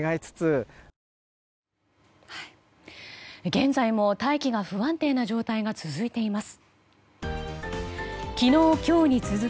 現在も大気の不安定な状態が続いています。